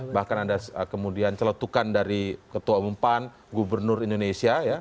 bahkan ada kemudian celetukan dari ketua umum pan gubernur indonesia